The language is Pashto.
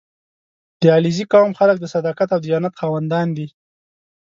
• د علیزي قوم خلک د صداقت او دیانت خاوندان دي.